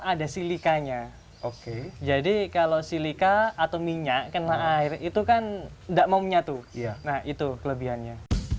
ada di lokasi kampus juga ya